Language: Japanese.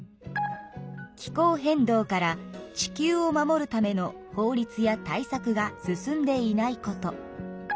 気候変動から地球を守るための法律や対策が進んでいないこと。